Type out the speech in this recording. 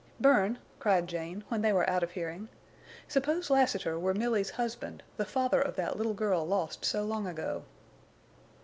"Bern!" cried Jane, when they were out of hearing. "Suppose Lassiter were Milly's husband—the father of that little girl lost so long ago!"